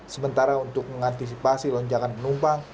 sementara untuk mengantisipasi lonjakan penumpang